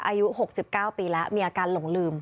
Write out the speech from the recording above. อายุ๖๙ปีแล้วมีอาการหลงลืม